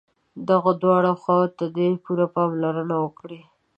دغو دواړو خواوو ته دې پوره پاملرنه وکړي.